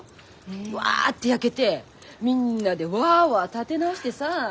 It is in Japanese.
ワアッて焼けてみんなでワアワア建て直してさ。